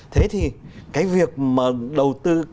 thế thì cái việc mà đầu tư